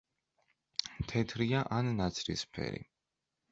თეთრია ან ნაცრისფერი.